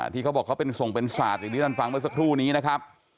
ที่เขาบอกเขาเป็นส่งเป็นศาสตร์อย่างที่ท่านฟังเมื่อสักครู่นี้นะครับ